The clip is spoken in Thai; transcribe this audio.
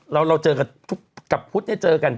เราเจอกับพุฒิเจอกัน